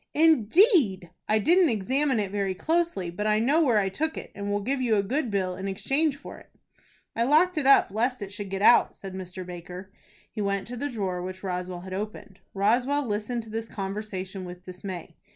"Indeed! I didn't examine it very closely. But I know where I took it, and will give you a good bill in exchange for it." "I locked it up lest it should get out," said Mr. Baker. He went to the drawer which Roswell had opened. Roswell listened to this conversation with dismay.